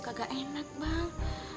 kagak enak bang